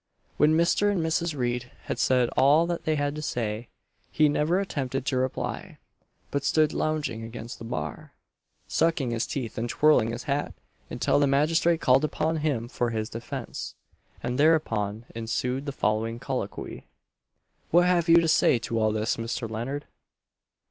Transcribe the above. When Mr. and Mrs. Reid had said all that they had to say, he never attempted to reply; but stood lounging against the bar, sucking his teeth and twirling his hat, until the magistrate called upon him for his defence, and thereupon ensued the following colloquy: "What have you to say to all this, Mr. Leonard?"